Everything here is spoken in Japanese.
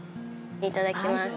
いただきます。